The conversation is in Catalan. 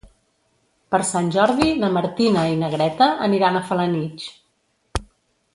Per Sant Jordi na Martina i na Greta aniran a Felanitx.